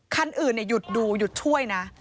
คันอื่นหยุดดูหยุดช่วยนะ